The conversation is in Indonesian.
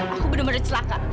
aku bener bener celaka